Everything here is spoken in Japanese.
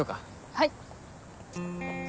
はい。